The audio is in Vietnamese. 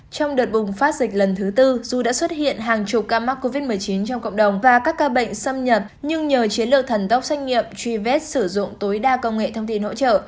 trong đợt bùng phát dịch lần thứ tư dù đã xuất hiện hàng chục ca mắc covid một mươi chín trong cộng đồng và các ca bệnh xâm nhập nhưng nhờ chiến lược thần tốc xét nghiệm truy vết sử dụng tối đa công nghệ thông tin hỗ trợ